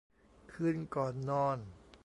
คืนก่อนนอน